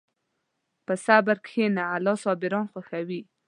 په صبر کښېنه، الله صابران خوښوي.